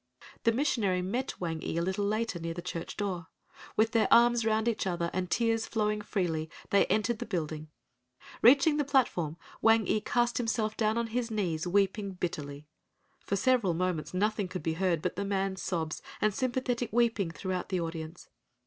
The missionary met Wang ee a little later near the church door. With their arms around each other, and tears flowing freely they entered the building. Reaching the platform Wang ee cast himself down on his knees weeping bitterly. For several moments nothing could be heard but the man's sobs and sympathetic weeping throughout the audience.